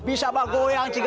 bisa bergoyang juga